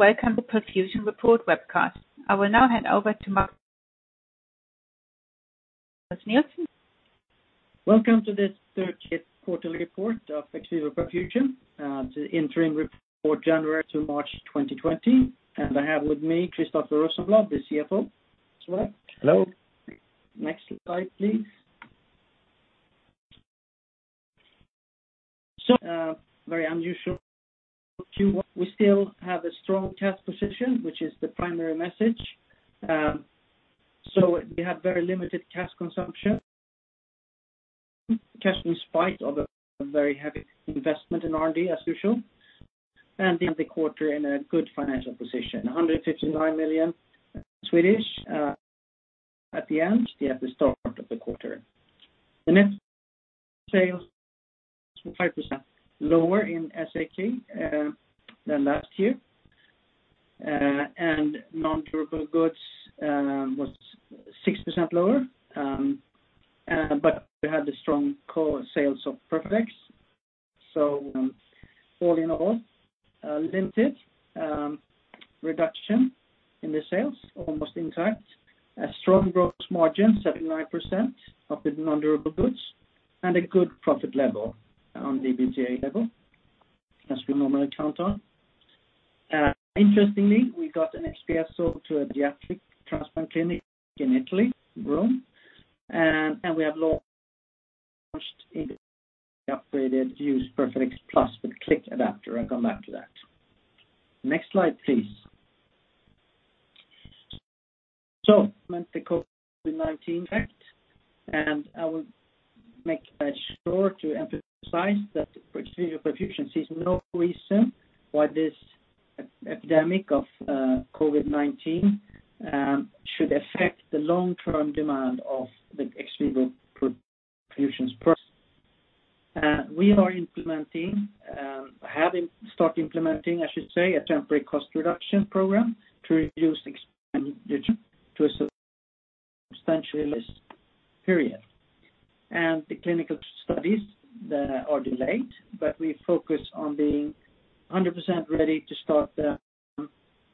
Welcome to Perfusion Report webcast. I will now hand over to Magnus Nilsson. Welcome to this 13th quarterly report of XVIVO Perfusion. It's the interim report, January to March 2020. I have with me Christoffer Rosenblad, the CFO. Christoffer. Hello. Next slide, please. Very unusual Q1. We still have a strong cash position, which is the primary message. We have very limited cash consumption. Cash in spite of a very heavy investment in R&D, as usual. End the quarter in a good financial position, 159 million at the end, at the start of the quarter. The net sales were 5% lower in SEK than last year. Non-durable goods was 6% lower, but we had the strong core sales of PERFADEX. All in all, limited reduction in the sales, almost intact. A strong gross margin, 79% of the non-durable goods. A good profit level on the EBITDA level as we normally count on. Interestingly, we got an XPS sold to a pediatric transplant clinic in Italy, Rome. We have launched the upgraded use PERFADEX Plus with Click Adapter. I'll come back to that. Next slide, please. Implement the COVID-19 effect. I will make sure to emphasize that XVIVO Perfusion sees no reason why this epidemic of COVID-19 should affect the long-term demand of the XVIVO Perfusion's product. We are implementing, have start implementing I should say, a temporary cost reduction program to reduce expenditure to a substantially less period. The clinical studies are delayed, but we focus on being 100% ready to start them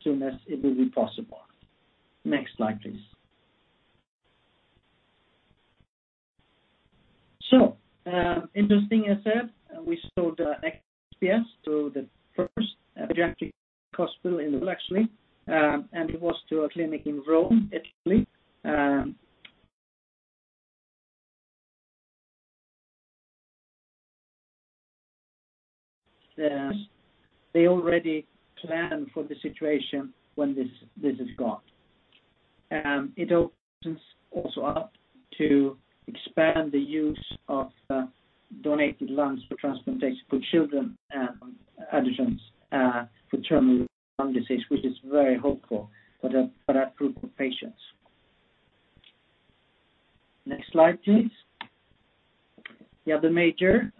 soon as it will be possible. Next slide, please. Interesting as said, we sold XPS to the first pediatric hospital in the world actually, and it was to a clinic in Rome, Italy. They already plan for the situation when this is gone. It opens also up to expand the use of donated lungs for transplantation for children additions for terminal lung disease, which is very hopeful for that group of patients. Next slide, please. The other major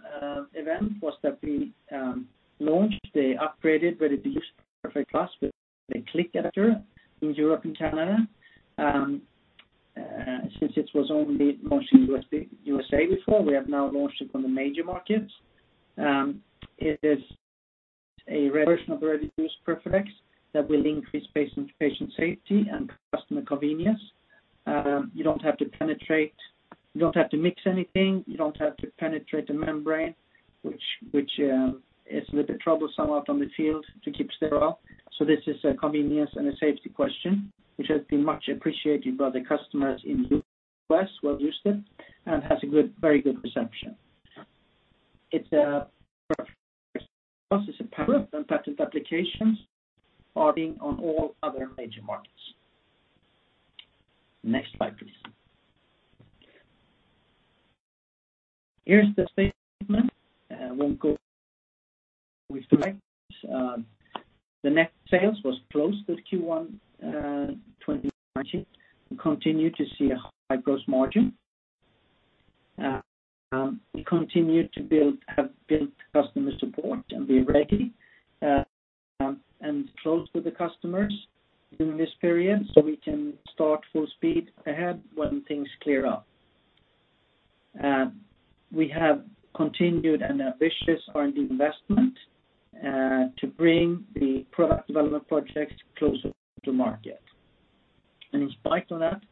event was that we launched the upgraded, ready-to-use PERFADEX Plus with the Click Adapter in Europe and Canada. Since it was only launched in the U.S. before, we have now launched it on the major markets. It is a version of the ready-to-use PERFADEX that will increase patient safety and customer convenience. You don't have to mix anything. You don't have to penetrate the membrane, which is a little troublesome out on the field to keep sterile. This is a convenience and a safety question, which has been much appreciated by the customers in the U.S. who have used it, and has a very good reception. Its applications are being on all other major markets. Next slide, please. Here's the statement. We won't go with the rest. The net sales was close with Q1 2019. We continue to see a high gross margin. We continue to have built customer support and be ready, and close with the customers during this period so we can start full speed ahead when things clear up. We have continued an ambitious R&D investment to bring the product development projects closer to market. In spite of that,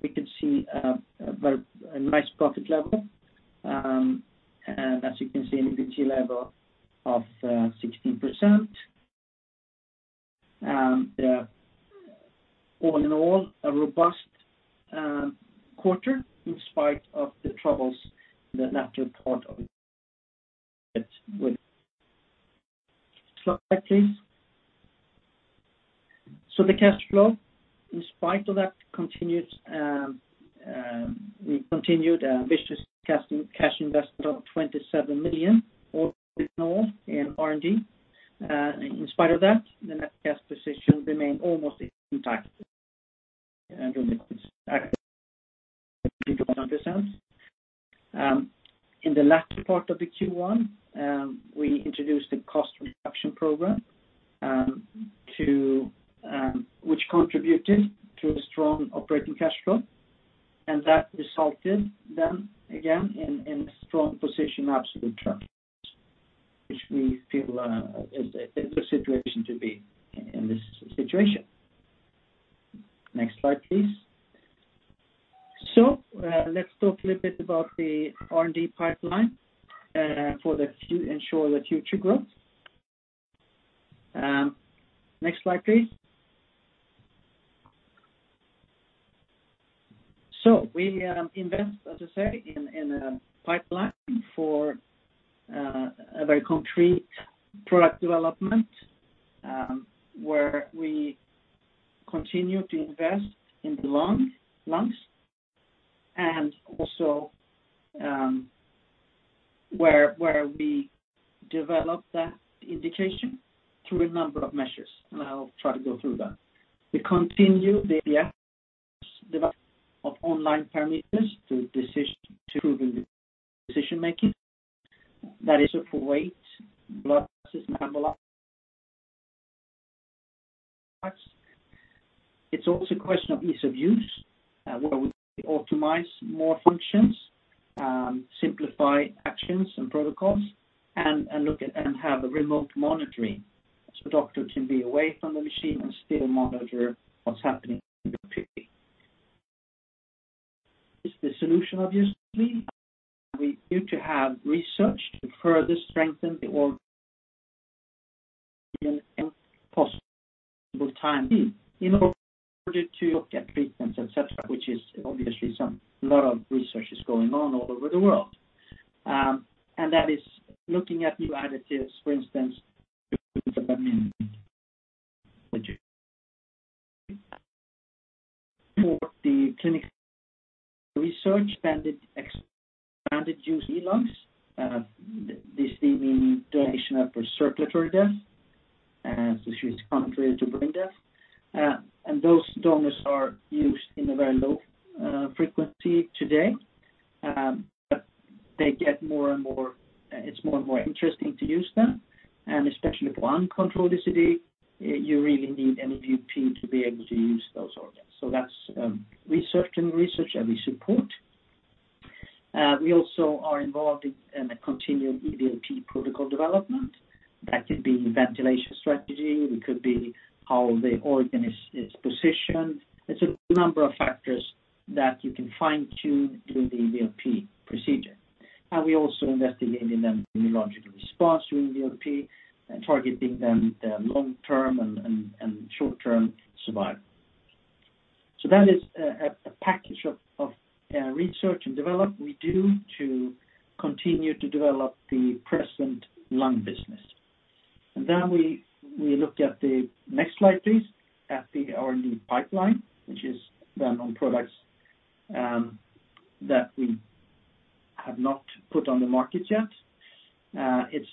we could see a nice profit level, as you can see an EBITDA level of 16%. All in all, a robust quarter in spite of the troubles. Next slide please. The cash flow, in spite of that continued ambitious cash investment of 27 million, all in all in R&D, the net cash position remained almost intact. In the latter part of the Q1, we introduced the cost reduction program which contributed to a strong operating cash flow. That resulted then, again, in a strong position absolute terms, which we feel is a good situation to be in this situation. Next slide, please. Let's talk a little bit about the R&D pipeline to ensure the future growth. Next slide, please. We invest, as I say, in a pipeline for a very concrete product development, where we continue to invest in the eLungs, and also where we develop that indication through a number of measures, and I'll try to go through that. We continue the efforts development of online parameters to improving decision making. That is for weight, blood gases, and electrolytes. It's also a question of ease of use, where we optimize more functions, simplify actions and protocols, and have a remote monitoring so doctor can be away from the machine and still monitor what's happening in the clinic. This is the solution, obviously. We continue to have research to further strengthen the organ and possible time in order to look at treatments, et cetera, which is obviously a lot of research is going on all over the world. That is looking at new additives, for instance, for the clinical research expanded use eLungs. This being donation after circulatory death, which is contrary to brain death. Those donors are used in a very low frequency today. It's more and more interesting to use them. Especially if uncontrolled DCD, you really need an EVLP to be able to use those organs. That's certain research that we support. We also are involved in a continued EVLP protocol development. That could be ventilation strategy, it could be how the organ is positioned. It's a number of factors that you can fine-tune during the EVLP procedure. We're also investigating the immunological response during EVLP and targeting the long-term and short-term survival. That is a package of research and development we do to continue to develop the present lung business. We look at the next slide, please, at the R&D pipeline, which is done on products that we have not put on the market yet. It's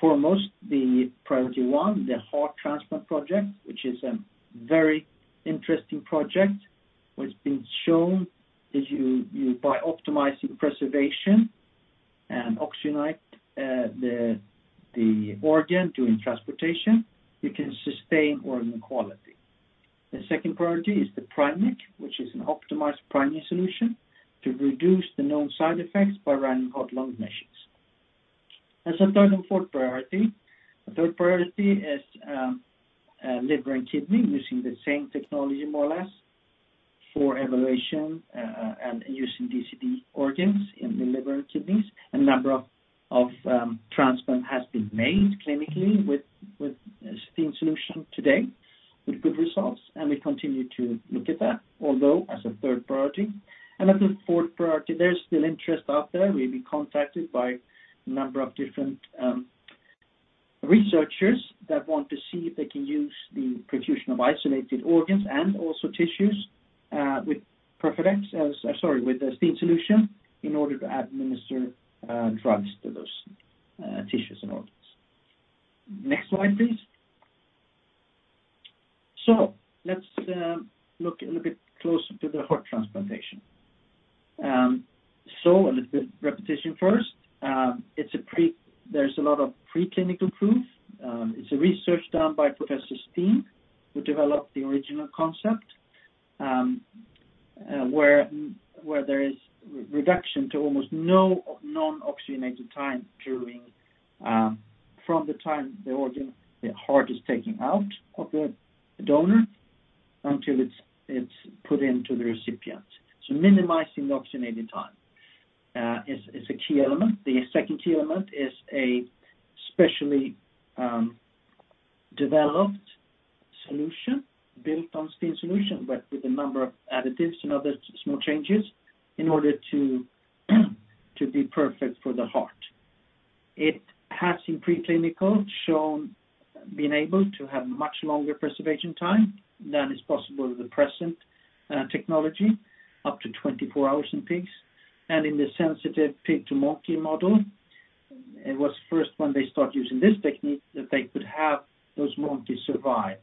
foremost the priority one, the heart transplant project, which is a very interesting project. What's been shown is by optimizing preservation and oxygenate the organ during transportation, we can sustain organ quality. The second priority is the PrimECC, which is an optimized priming solution to reduce the known side effects by running heart-lung machines. As a third and fourth priority, the third priority is liver and kidney using the same technology, more or less, for evaluation and using DCD organs in the liver and kidneys. A number of transplant has been made clinically with STEEN Solution today with good results, and we continue to look at that, although as a third priority. As a fourth priority, there's still interest out there. We've been contacted by a number of different researchers that want to see if they can use the perfusion of isolated organs and also tissues, with the STEEN Solution in order to administer drugs to those tissues and organs. Next slide, please. Let's look a little bit closer to the heart transplantation. A little bit repetition first. There's a lot of preclinical proof. It's a research done by Professor Steen, who developed the original concept, where there is reduction to almost no non-oxygenated time from the time the heart is taken out of the donor until it's put into the recipient. Minimizing the oxygenating time is a key element. The second key element is a specially developed solution built on STEEN Solution, but with a number of additives and other small changes in order to be perfect for the heart. It has, in preclinical, shown being able to have much longer preservation time than is possible with the present technology, up to 24 hours in pigs. In the sensitive pig-to-monkey model, it was first when they start using this technique that they could have those monkeys survive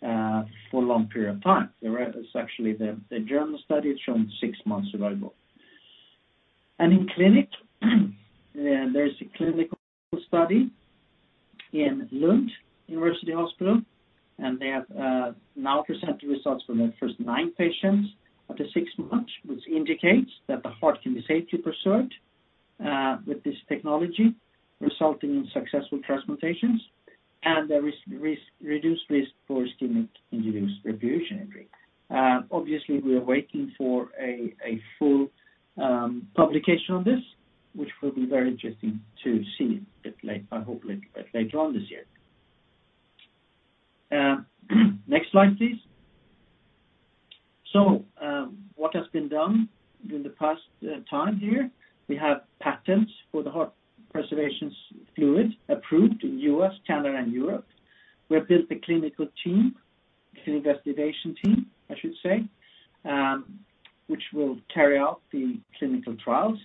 for a long period of time. There was actually the German study that shown six months survival. In clinic, there's a clinical study in Lund University Hospital, and they have now presented results from their first nine patients after six months, which indicates that the heart can be safely preserved with this technology, resulting in successful transplantations and a reduced risk for ischemic-induced reperfusion injury. Obviously, we are waiting for a full publication on this, which will be very interesting to see, hopefully later on this year. Next slide, please. What has been done in the past time here? We have patents for the heart preservations fluid approved in U.S., China, and Europe. We have built a clinical team, a clinical investigation team, I should say, which will carry out the clinical trials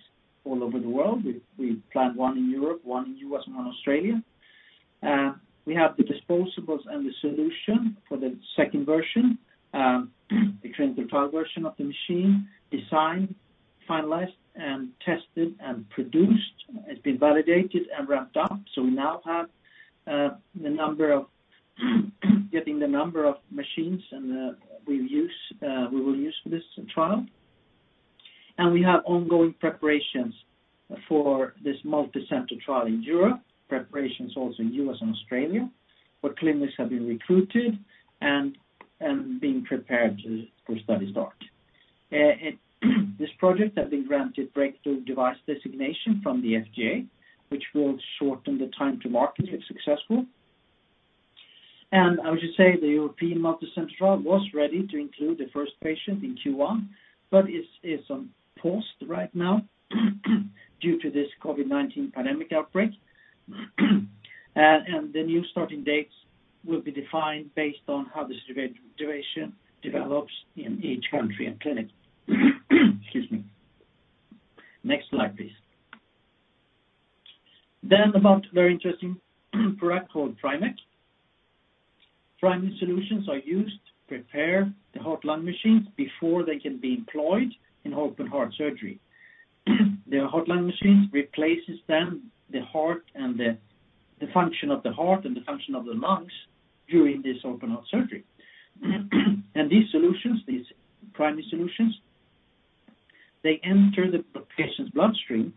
all over the world. We plan one in Europe, one in U.S., and one in Australia. We have the disposables and the solution for the second version, the clinical trial version of the machine, designed, finalized, and tested and produced. It's been validated and wrapped up, so we now have getting the number of machines, and we will use for this trial. We have ongoing preparations for this multi-center trial in Europe, preparations also in U.S. and Australia, where clinics have been recruited and being prepared for study start. This project has been granted Breakthrough Device designation from the FDA, which will shorten the time to market if successful. I would just say the European multi-center trial was ready to include the first patient in Q1, but it's on pause right now due to this COVID-19 pandemic outbreak. The new starting dates will be defined based on how the situation develops in each country and clinic. Excuse me. Next slide, please. About a very interesting product called PrimECC. Priming solutions are used to prepare the heart-lung machines before they can be employed in open heart surgery. The heart-lung machines replaces then the heart and the function of the heart and the function of the lungs during this open heart surgery. These solutions, these priming solutions, they enter the patient's bloodstream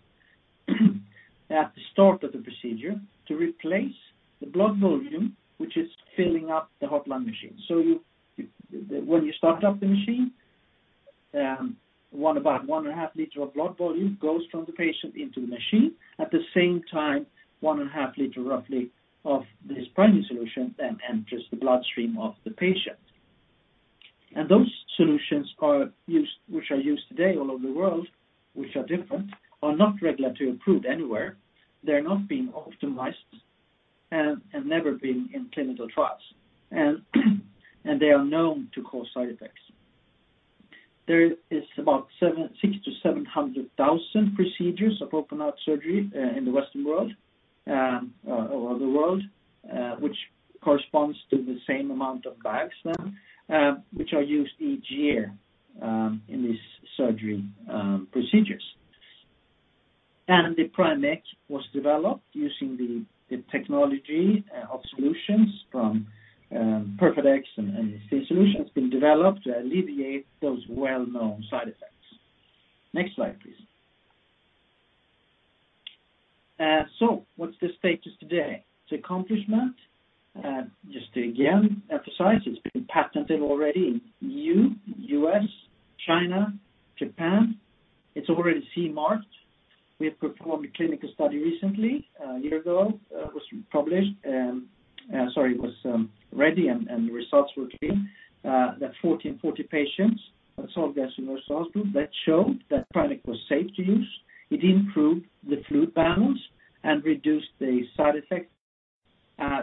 at the start of the procedure to replace the blood volume, which is filling up the heart-lung machine. When you start up the machine, about 1.5 L of blood volume goes from the patient into the machine. At the same time, 1.5 L roughly of this priming solution then enters the bloodstream of the patient. Those solutions which are used today all over the world, which are different, are not regulatory approved anywhere. They're not being optimized and have never been in clinical trials. They are known to cause side effects. There is about 600,000-700,000 procedures of open heart surgery in the Western world, all over the world, which corresponds to the same amount of bags then, which are used each year in these surgery procedures. The PrimECC was developed using the technology of solutions from PERFADEX and these solutions been developed to alleviate those well-known side effects. Next slide, please. What's the status today? The accomplishment, just to again emphasize, it's been patented already in EU, US, China, Japan. It's already CE marked. We have performed a clinical study recently, a year ago. It was ready and the results were clean, that 40 and 40 patients at Sahlgrenska University Hospital that show that product was safe to use. It improved the fluid balance and reduced the side effects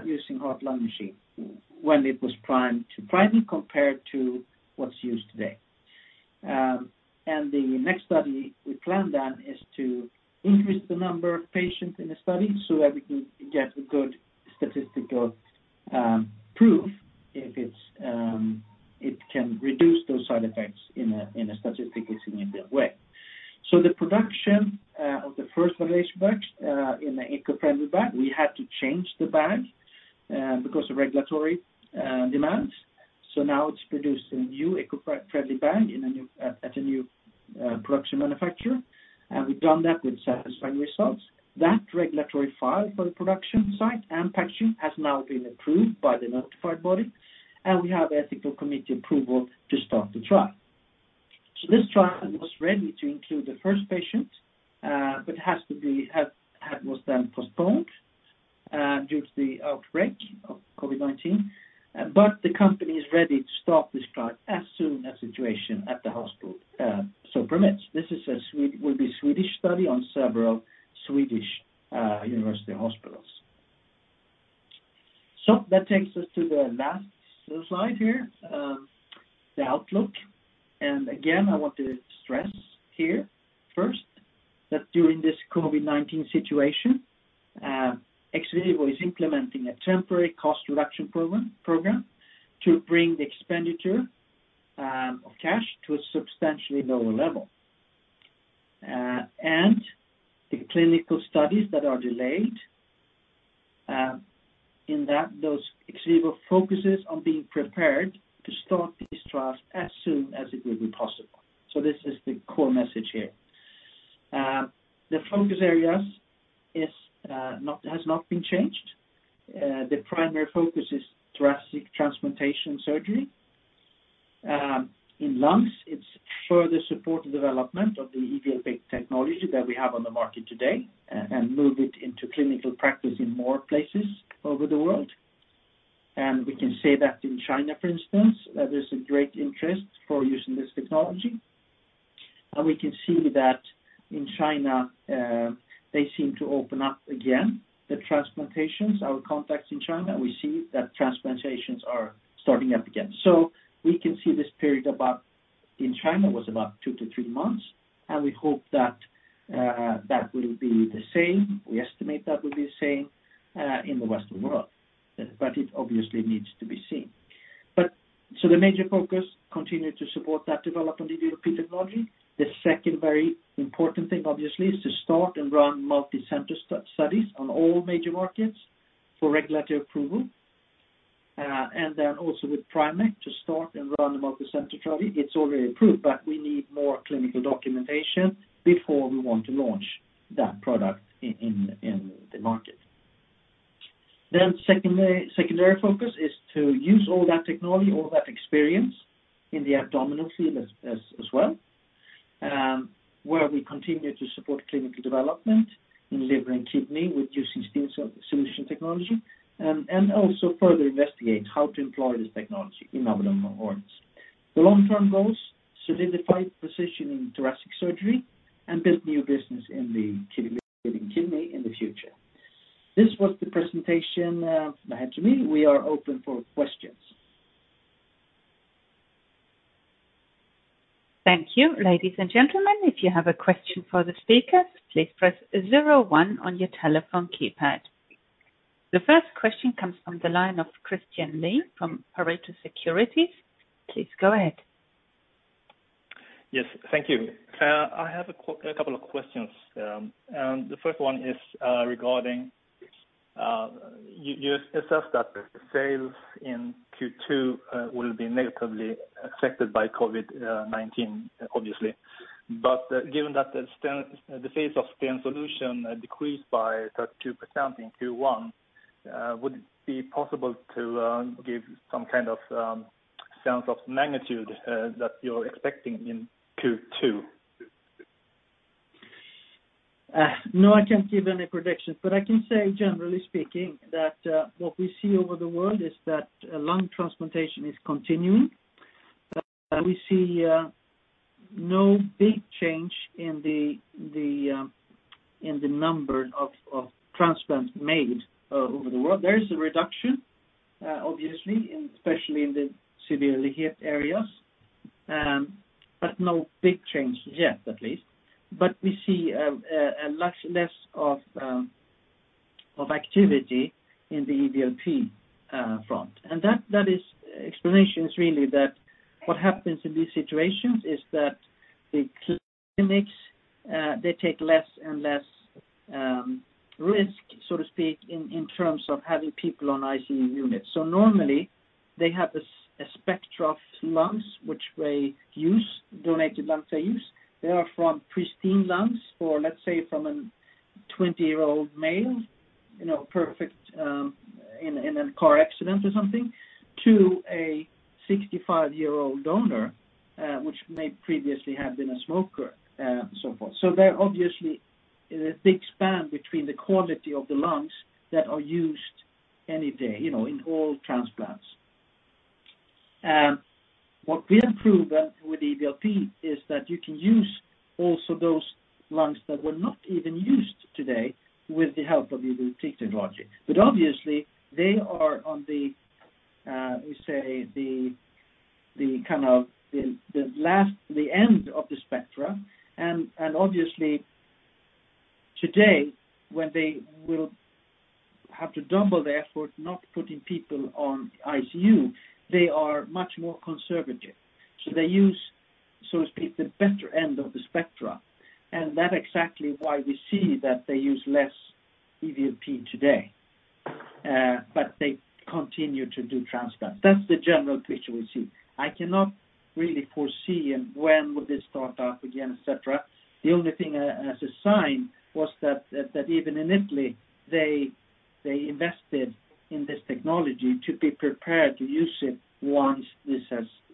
using heart-lung machine when it was primed compared to what's used today. The next study we plan then is to increase the number of patients in the study so that we can get good statistical proof if it can reduce those side effects in a statistically significant way. The production of the first validation batch in the eco-friendly bag, we had to change the bag because of regulatory demands. We've done that with satisfying results. That regulatory file for the production site and packaging has now been approved by the notified body, and we have ethical committee approval to start the trial. This trial was ready to include the first patient, but was then postponed due to the outbreak of COVID-19. The company is ready to start this trial as soon as situation at the hospital so permits. This will be a Swedish study on several Swedish university hospitals. That takes us to the last slide here, the outlook. Again, I want to stress here first that during this COVID-19 situation, XVIVO is implementing a temporary cost reduction program to bring the expenditure- of cash to a substantially lower level. The clinical studies that are delayed, in that those XVIVO focuses on being prepared to start these trials as soon as it will be possible. This is the core message here. The focus areas has not been changed. The primary focus is thoracic transplantation surgery. In lungs, it's further support the development of the EVLP technology that we have on the market today and move it into clinical practice in more places over the world. We can say that in China, for instance, there is a great interest for using this technology. We can see that in China, they seem to open up again the transplantations. Our contacts in China, we see that transplantations are starting up again. We can see this period in China was about two to three months, and we hope that will be the same. We estimate that will be the same in the Western world, but it obviously needs to be seen. The major focus continue to support that development, the EVLP technology. The second very important thing, obviously, is to start and run multi-center studies on all major markets for regulatory approval. Then also with PrimECC to start and run a multi-center trial. It's already approved, but we need more clinical documentation before we want to launch that product in the market. Secondary focus is to use all that technology, all that experience in the abdominal field as well, where we continue to support clinical development in liver and kidney with STEEN Solution technology, and also further investigate how to employ this technology in abdominal organs. The long-term goals, solidify positioning thoracic surgery and build new business in the liver and kidney in the future. This was the presentation from me. We are open for questions. Thank you. Ladies and gentlemen, if you have a question for the speakers, please press zero one on your telephone keypad. The first question comes from the line of Christian Lee from Pareto Securities. Please go ahead. Yes. Thank you. I have a couple of questions. The first one is regarding you assess that the sales in Q2 will be negatively affected by COVID-19, obviously. Given that the sales of STEEN Solution decreased by 32% in Q1, would it be possible to give some kind of sense of magnitude that you're expecting in Q2? No, I can't give any predictions. I can say, generally speaking, that what we see over the world is that lung transplantation is continuing. We see no big change in the number of transplants made over the world. There is a reduction, obviously, especially in the severely hit areas, but no big changes yet, at least. We see less of activity in the EVLP front. That explanation is really that what happens in these situations is that the clinics they take less and less risk, so to speak, in terms of having people on ICU units. Normally they have a spectrum of lungs which they use, donated lungs they use. They are from pristine lungs, or let's say, from a 20-year-old male, perfect, in a car accident or something, to a 65-year-old donor, which may previously have been a smoker, so forth. There obviously is a big span between the quality of the lungs that are used any day in all transplants. What we have proven with EVLP is that you can use also those lungs that were not even used today with the help of EVLP technology. Obviously they are on the, we say, the last, the end of the spectrum. Obviously today, when they will have to double the effort not putting people on ICU, they are much more conservative. They use, so to speak, the better end of the spectrum. That exactly why we see that they use less EVLP today. They continue to do transplants. That's the general picture we see. I cannot really foresee when would this start up again, et cetera. The only thing as a sign was that even in Italy, they invested in this technology to be prepared to use it once this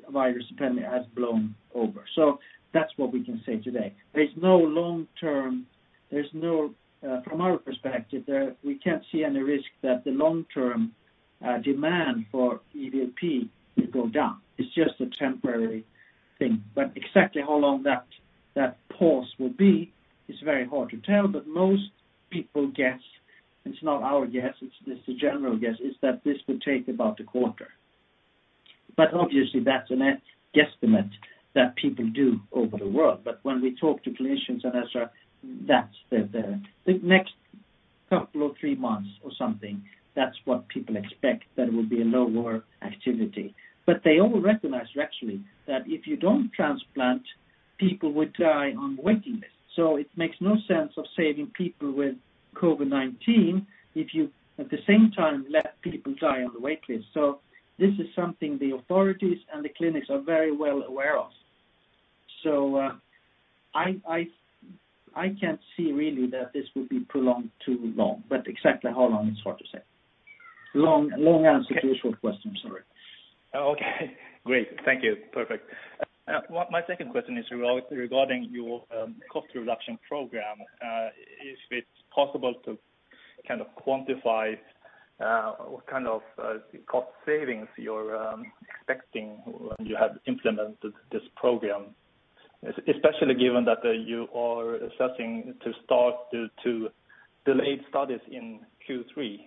virus pandemic has blown over. That's what we can say today. From our perspective, we can't see any risk that the long-term demand for EVLP will go down. It's just a temporary thing. Exactly how long that pause will be is very hard to tell. Most people guess, it's not our guess, it's the general guess, is that this would take about a quarter. Obviously that's a guesstimate that people do over the world. When we talk to clinicians and et cetera, that's the next couple or three months or something. That's what people expect, that it will be a lower activity. They all recognize, actually, that if you don't transplant, people will die on waiting lists. It makes no sense of saving people with COVID-19 if you, at the same time, let people die on the wait list. This is something the authorities and the clinics are very well aware of. I can't see really that this would be prolonged too long, but exactly how long, it's hard to say. Long answer to a short question, sorry. Okay. Great. Thank you. Perfect. My second question is regarding your cost reduction program. Is it possible to quantify what kind of cost savings you're expecting when you have implemented this program, especially given that you are assessing to start the two delayed studies in Q3?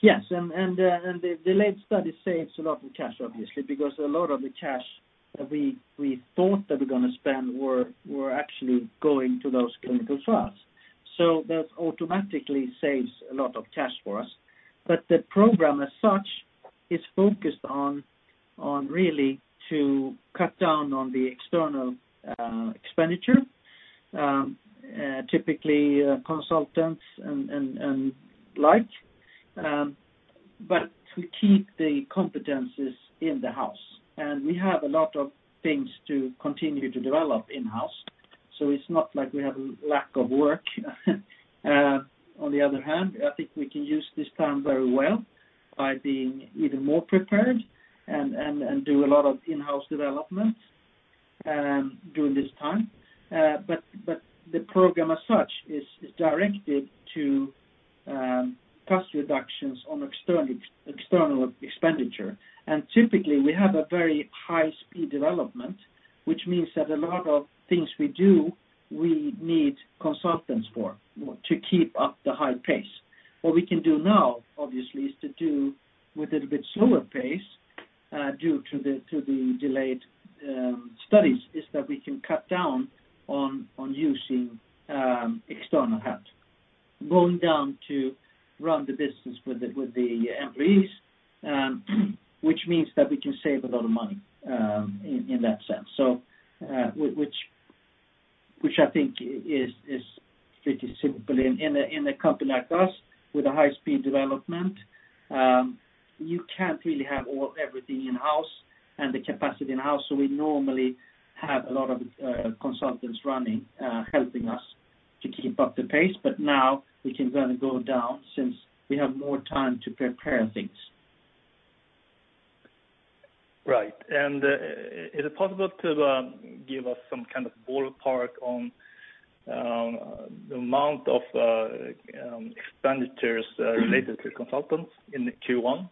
Yes, the delayed study saves a lot of cash, obviously, because a lot of the cash that we thought that we're going to spend were actually going to those clinical trials. That automatically saves a lot of cash for us. The program as such is focused on really to cut down on the external expenditure, typically consultants and like, but to keep the competencies in the house. We have a lot of things to continue to develop in-house. It's not like we have a lack of work. On the other hand, I think we can use this time very well by being even more prepared, and do a lot of in-house development during this time. The program as such, is directed to cost reductions on external expenditure. Typically, we have a very high-speed development, which means that a lot of things we do, we need consultants for, to keep up the high pace. What we can do now, obviously, is to do with a little bit slower pace, due to the delayed studies, is that we can cut down on using external help. Going down to run the business with the employees, which means that we can save a lot of money in that sense. Which I think is pretty simple. In a company like us with a high-speed development, you can't really have everything in-house and the capacity in-house, so we normally have a lot of consultants running, helping us to keep up the pace, but now we can kind of go down since we have more time to prepare things. Right. Is it possible to give us some kind of ballpark on the amount of expenditures related to consultants in Q1?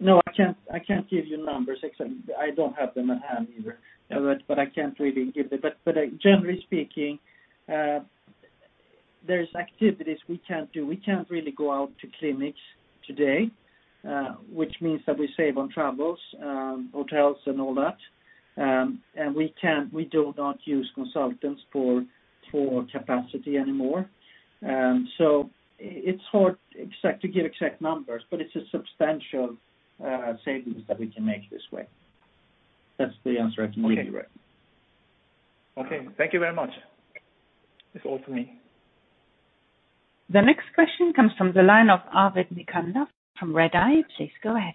No, I can't give you numbers. I don't have them at hand either. I can't really give them. Generally speaking, there's activities we can't do. We can't really go out to clinics today, which means that we save on travels, hotels, and all that. We do not use consultants for capacity anymore. It's hard to give exact numbers, but it's a substantial savings that we can make this way. That's the answer I can give you. Okay. Thank you very much. That's all for me. The next question comes from the line of Arvid Necander from Redeye. Please go ahead.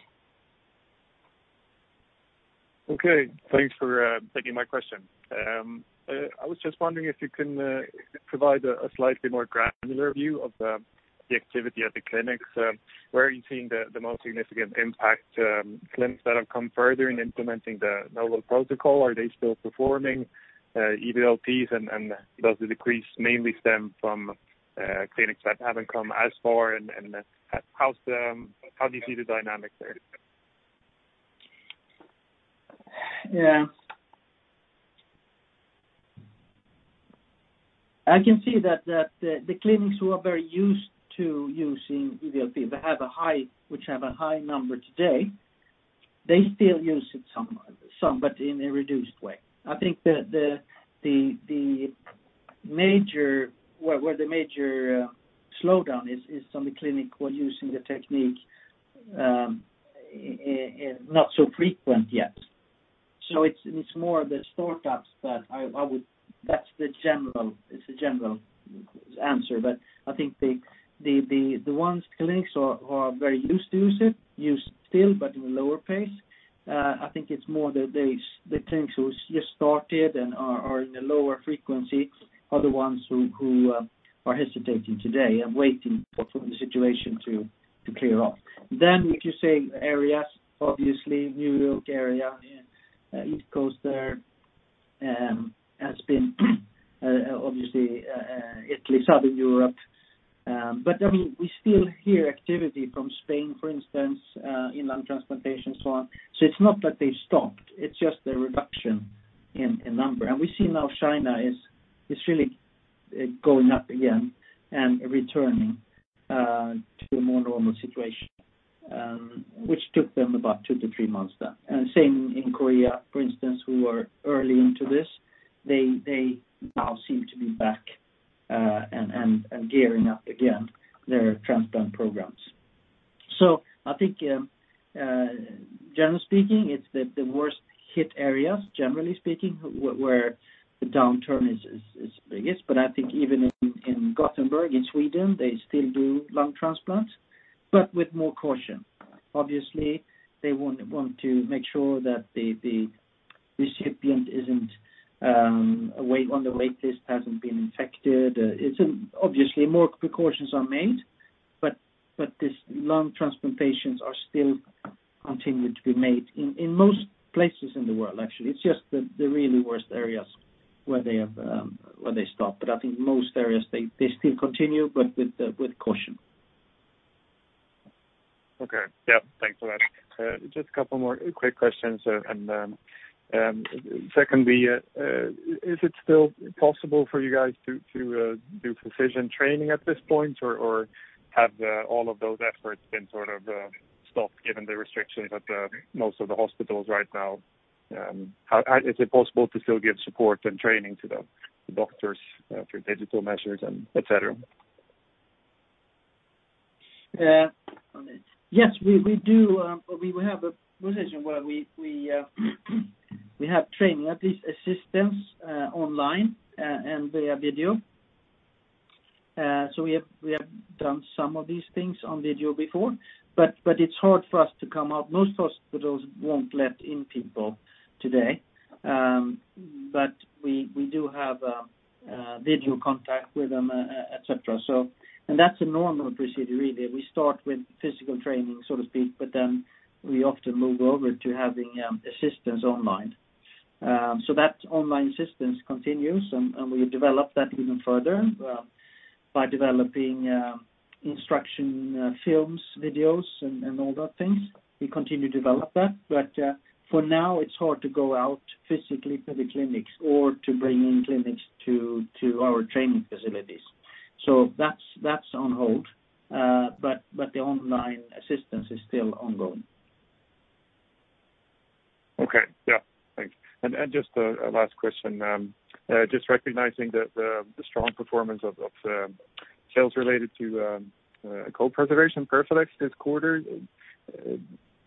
Okay. Thanks for taking my question. I was just wondering if you can provide a slightly more granular view of the activity at the clinics. Where are you seeing the most significant impact, clinics that have come further in implementing the novel protocol? Are they still performing EVLPs, and does the decrease mainly stem from clinics that haven't come as far, and how do you see the dynamics there? Yeah. I can see that the clinics who are very used to using EVLPs, which have a high number today, they still use it somewhat, but in a reduced way. I think where the major slowdown is on the clinic who are using the technique not so frequent yet. It's more the startups. That's the general answer. I think the ones, clinics who are very used to use it, use still, but in a lower pace. I think it's more the clinics who's just started and are in a lower frequency are the ones who are hesitating today and waiting for the situation to clear up. If you say areas, obviously New York area, East Coast there, has been obviously Italy, Southern Europe. We still hear activity from Spain, for instance, in lung transplantation, so on. It's not that they stopped, it's just a reduction in number. We see now China is really going up again and returning to a more normal situation. Which took them about two to three months then. Same in Korea, for instance, who were early into this. They now seem to be back and gearing up again their transplant programs. I think generally speaking, it's the worst-hit areas, generally speaking, where the downturn is biggest. I think even in Gothenburg, in Sweden, they still do lung transplants, but with more caution. Obviously, they want to make sure that the recipient on the wait list hasn't been infected. Obviously, more precautions are made. These lung transplantations still continue to be made in most places in the world, actually. It's just the really worst areas where they stop. I think most areas, they still continue, but with caution. Okay. Yeah, thanks for that. Just a couple more quick questions. Secondly, is it still possible for you guys to do perfusion training at this point, or have all of those efforts been stopped given the restrictions at most of the hospitals right now? Is it possible to still give support and training to the doctors through digital measures and et cetera? Yes, we do. We have a position where we have training, at least assistance online and via video. We have done some of these things on video before, but it's hard for us to come out. Most hospitals won't let in people today. We do have video contact with them, et cetera. That's a normal procedure, really. We start with physical training, so to speak, but then we often move over to having assistance online. That online assistance continues, and we develop that even further by developing instruction films, videos, and all those things. We continue to develop that. For now, it's hard to go out physically to the clinics or to bring in clinics to our training facilities. That's on hold. The online assistance is still ongoing. Okay. Yeah. Thanks. Just a last question. Just recognizing the strong performance of sales related to cold preservation PERFADEX this quarter,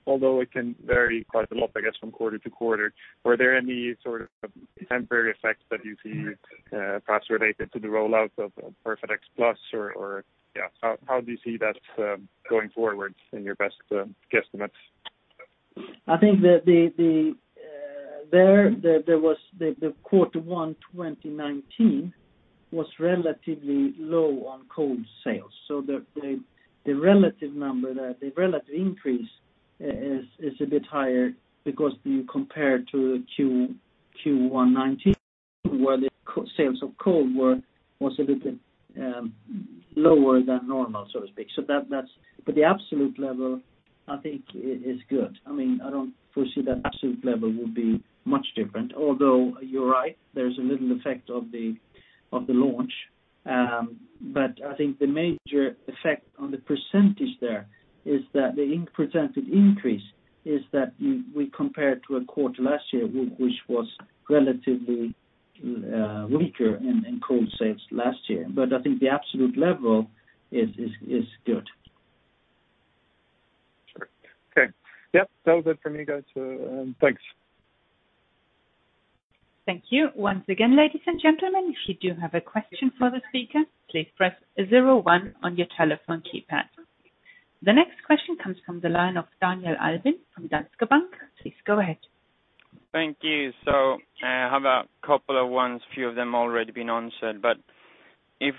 although it can vary quite a lot, I guess, from quarter to quarter. Were there any sort of temporary effects that you see perhaps related to the rollout of PERFADEX Plus? Or yeah, how do you see that going forward in your best guesstimates? I think that the quarter one 2019 was relatively low on cold sales. The relative number there, the relative increase is a bit higher because you compare to Q1 2019, where the sales of cold was a little lower than normal, so to speak. The absolute level, I think, is good. I don't foresee that absolute level would be much different, although you're right, there's a little effect of the launch. I think the major effect on the percentage there is that the presented increase is that we compare to a quarter last year, which was relatively weaker in cold sales last year. I think the absolute level is good. Sure. Okay. Yep. That was it for me, guys. Thanks. Thank you. Once again, ladies and gentlemen, if you do have a question for the speaker, please press 01 on your telephone keypad. The next question comes from the line of Daniel Albin from Danske Bank. Please go ahead. Thank you. I have a couple of ones, few of them already been answered. If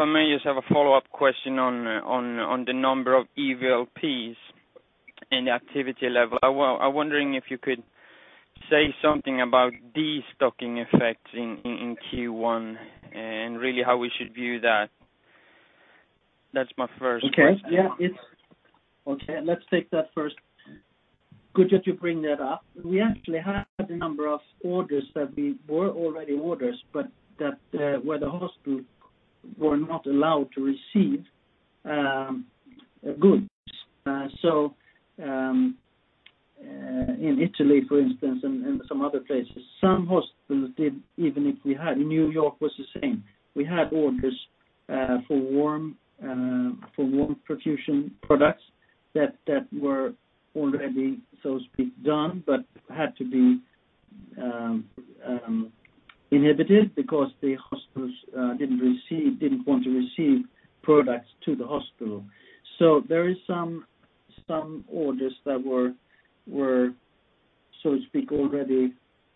I may just have a follow-up question on the number of EVLPs and the activity level. I'm wondering if you could say something about destocking effects in Q1 and really how we should view that. That's my first question. Okay. Yeah. Okay, let's take that first. Good that you bring that up. We actually had a number of orders that were already orders, but where the hospitals were not allowed to receive goods. In Italy, for instance, and some other places, some hospitals did, even if we had New York was the same. We had orders for warm perfusion products that were already, so to speak, done but had to be inhibited because the hospitals didn't want to receive products to the hospital. There are some orders that were, so to speak, already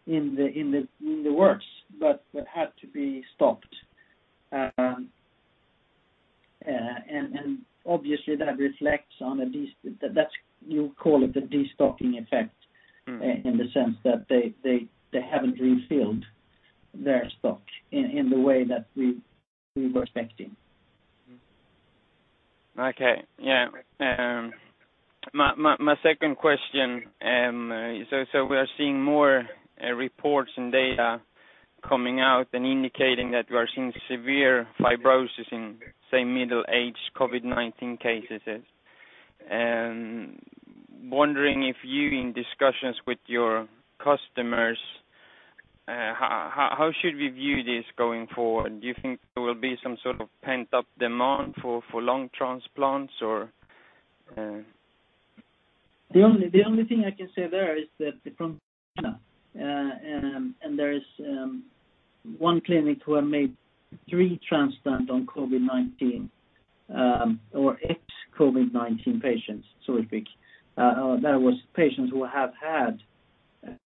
in the works but had to be stopped. Obviously, that reflects on, you call it the destocking effect. in the sense that they haven't refilled their stock in the way that we were expecting. Okay. Yeah. My second question. We are seeing more reports and data coming out and indicating that we are seeing severe fibrosis in, say, middle-aged COVID-19 cases. Wondering if you, in discussions with your customers, how should we view this going forward? Do you think there will be some sort of pent-up demand for lung transplants or? The only thing I can say there is that from China, and there is one clinic who have made three transplant on COVID-19, or ex-COVID-19 patients, so to speak. That was patients who have had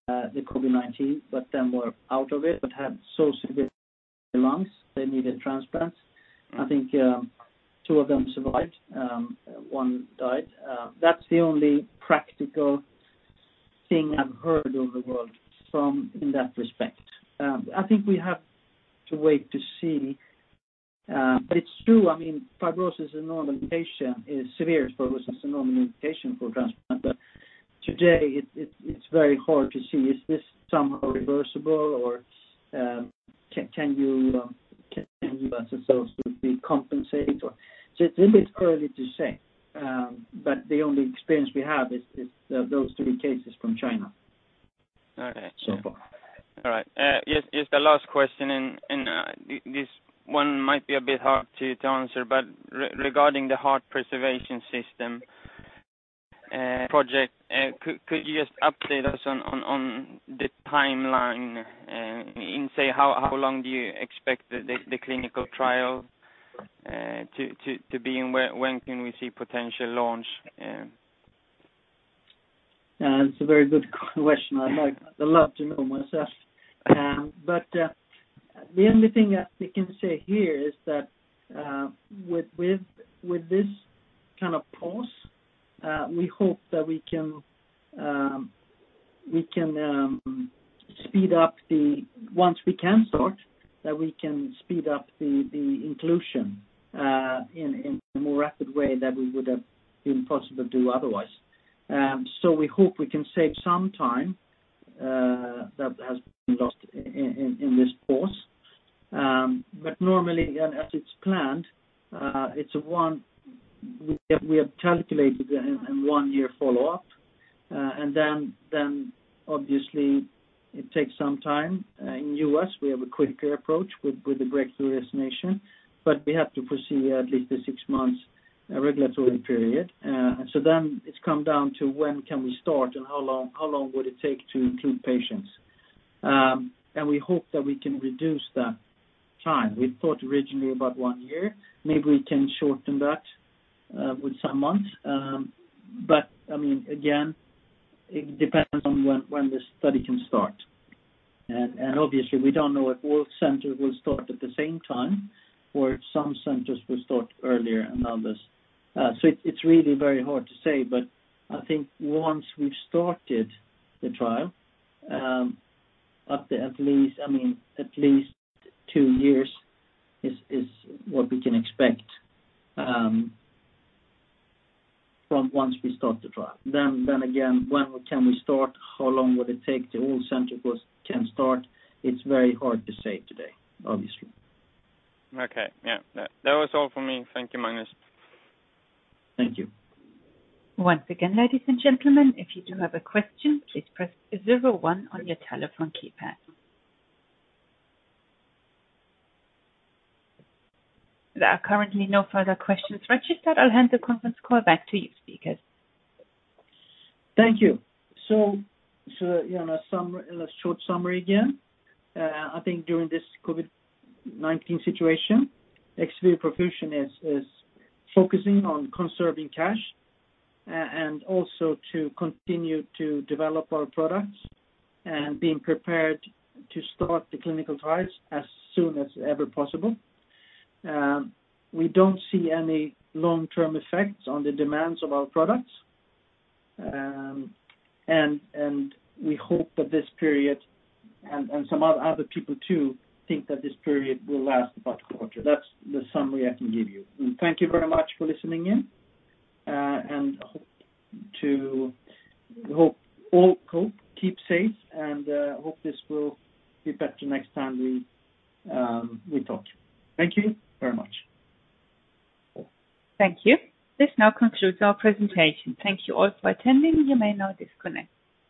the COVID-19, but then were out of it, but had so severe lungs they needed transplants. I think two of them survived. One died. That's the only practical thing I've heard in the world in that respect. I think we have to wait to see. It's true, severe fibrosis is a normal indication for transplant. Today it's very hard to see. Is this somehow reversible or can you be compensated? It's a little bit early to say. The only experience we have is those three cases from China so far. All right. Just the last question, and this one might be a bit hard to answer. Regarding the heart preservation system project, could you just update us on the timeline and say how long do you expect the clinical trial to be and when can we see potential launch? That's a very good question. I'd love to know myself. The only thing that we can say here is that with this kind of pause, we hope that once we can start, that we can speed up the inclusion in a more rapid way that we would have been possible to do otherwise. We hope we can save some time that has been lost in this pause. Normally, as it's planned, we have calculated a one-year follow-up, and then obviously it takes some time. In the U.S., we have a quicker approach with the Breakthrough Designation, but we have to proceed at least the six months regulatory period. It comes down to when can we start and how long would it take to include patients. We hope that we can reduce that time. We thought originally about one year. Maybe we can shorten that with some months. Again, it depends on when the study can start. Obviously, we don't know if all centers will start at the same time or if some centers will start earlier than others. It's really very hard to say, but I think once we've started the trial, at least two years is what we can expect from once we start the trial. Again, when can we start? How long would it take till all centers can start? It's very hard to say today, obviously. Okay. Yeah. That was all for me. Thank you, Magnus. Thank you. Once again, ladies and gentlemen, if you do have a question, please press zero one on your telephone keypad. There are currently no further questions registered. I will hand the conference call back to you, speakers. Thank you. A short summary again. I think during this COVID-19 situation, XVIVO Perfusion is focusing on conserving cash and also to continue to develop our products and being prepared to start the clinical trials as soon as ever possible. We don't see any long-term effects on the demands of our products. We hope that this period, and some other people too think that this period will last about a quarter. That's the summary I can give you. Thank you very much for listening in, and hope all cope, keep safe, and hope this will be better next time we talk. Thank you very much. Thank you. This now concludes our presentation. Thank you all for attending. You may now disconnect.